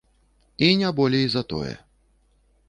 І не болей за тое.